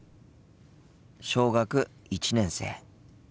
小学１年生。